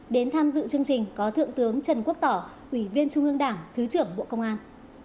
đến tham dự chương trình có thượng tướng trần quốc tỏ ủy viên trung ương đảng thứ trưởng bộ công an